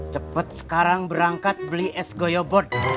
cepat sekarang berangkat beli es goyobot